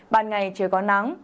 ban ngày chưa có nắng